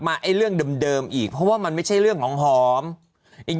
ไอ้เรื่องเดิมเดิมอีกเพราะว่ามันไม่ใช่เรื่องของหอมไอ้